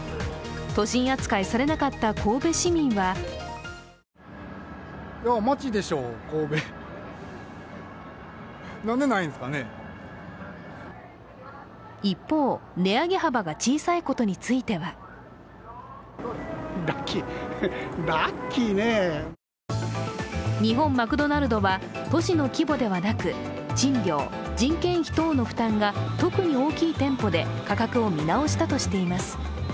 都心扱いされなかった神戸市民は一方、値上げ幅が小さいことについては日本マクドナルドは都市の規模ではなく、賃料、人件費等の負担が特に大きい店舗で価格を見直したとしています。